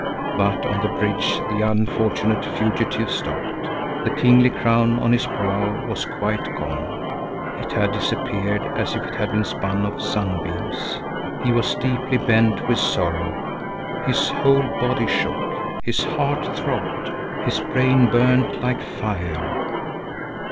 But on the bridge the unfortunate fugitive stopped. The kingly crown on his brow was quite gone. It had disappeared as if it had been spun of sunbeams. He was deeply bent with sorrow; his whole body shook; his heart throbbed; his brain burned like fire.